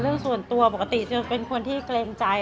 เรื่องส่วนตัวปกติจะเป็นคนที่เกรงใจ